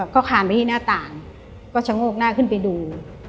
ก็คานไปที่หน้าต่างก็ชะโงกหน้าขึ้นไปดู